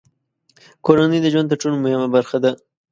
کورنۍ د ژوند تر ټولو مهمه برخه ده.